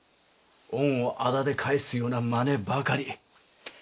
恩を仇で返すようなまねばかり。